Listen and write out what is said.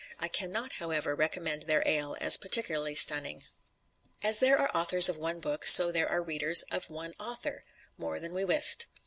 I can not, however, recommend their ale as particularly stunning. As there are authors of one book, so are there readers of one author more than we wist.